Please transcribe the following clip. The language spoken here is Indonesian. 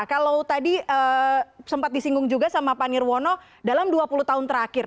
kalau tadi sempat disinggung juga sama pak nirwono dalam dua puluh tahun terakhir